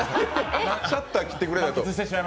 シャッター切ってくれないと。